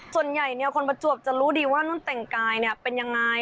ส่วนใหญ่คนประจวบจะรู้ดีว่านุ่นแต่งกายเป็นยังไง